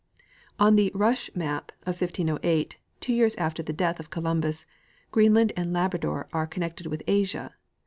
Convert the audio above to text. On the Ruysch map of 1508, two years after the death of Co lumbus, Greenland and Labrador are connected with Asia.